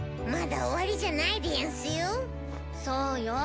まだ終わりじゃないでヤンスよ。